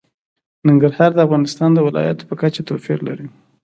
ننګرهار د افغانستان د ولایاتو په کچه توپیر لري.